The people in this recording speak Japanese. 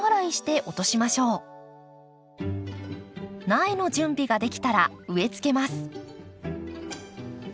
苗の準備ができたら植えつけます。